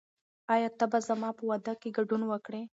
آیا ته به زما په واده کې ګډون وکړې؟